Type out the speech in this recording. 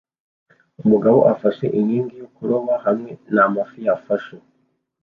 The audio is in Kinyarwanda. Umugabo afashe inkingi yo kuroba hamwe n amafi yafashe